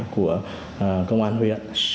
của công an huyện